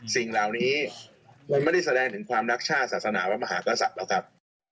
สิ่งเหล่านี้มันไม่ได้แสดงถึงความรักชาติศาสนาพระมหากษัตริย์แล้วครับ